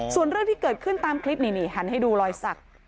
ส่วนเรื่องที่เกิดขึ้นตามคลิปนี่หันให้ดูรอยสัก